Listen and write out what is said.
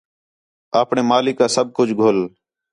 آپݨے مالک آ سب کُجھ گُھل